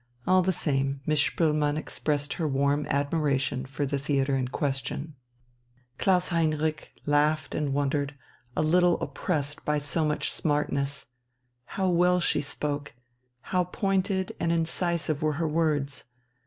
All the same, Miss Spoelmann expressed her warm admiration for the theatre in question. Klaus Heinrich laughed and wondered, a little oppressed by so much smartness. How well she spoke, how pointed and incisive were her words!